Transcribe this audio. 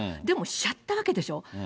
でもしちゃったわけでしょ。